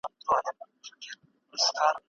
زه بايد پلان جوړ کړم.